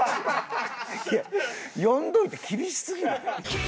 いや呼んどいて厳しすぎるって。